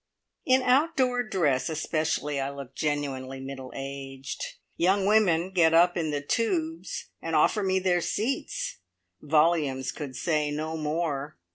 In outdoor dress especially I look genuinely middle aged. Young women get up in the Tubes and offer me their seats! Volumes could say no more.